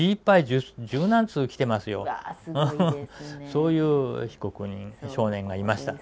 そういう被告人少年がいました。